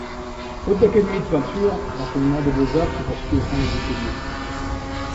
Faute d'académie de peinture, l'enseignement des beaux-arts se poursuit au sein des ateliers.